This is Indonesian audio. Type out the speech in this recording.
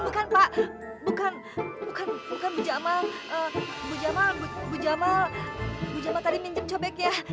bu jamal bu jamal bu jamal bu jamal tadi minjem cobek ya